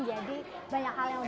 jadi banyak hal yang berbeda